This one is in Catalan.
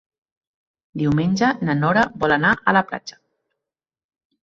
Diumenge na Nora vol anar a la platja.